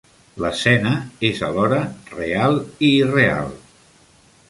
L'escena és alhora real i irreal.